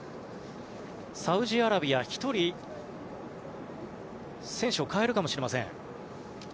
サウジアラビア、１人選手を代えるかもしれません。